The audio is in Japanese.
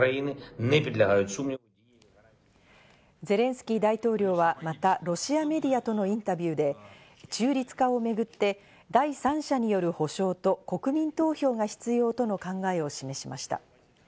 ゼレンスキー大統領はまた、ロシアメディアとのインタビューで、中立化をめぐって第三者による保証と国民投票が必要との考えを示しました。